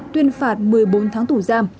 tuyên phạt một mươi bốn tháng tù giam